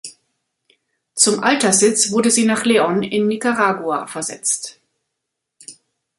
Zum Alterssitz wurde sie nach Leon in Nicaragua versetzt.